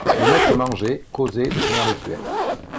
Le maître mangeait, causait, de son air habituel.